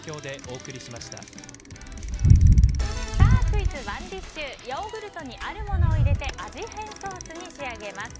クイズＯｎｅＤｉｓｈヨーグルトにあるものを入れて味変ソースに仕上げます。